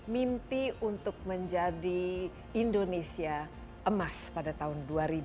mimpi untuk menjadi indonesia emas pada tahun dua ribu empat puluh lima